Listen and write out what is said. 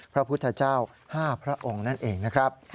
พระพุทธเจ้า๕พระองค์นั่นเองนะครับ